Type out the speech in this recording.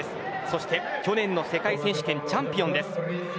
そして去年の世界選手権チャンピオンです。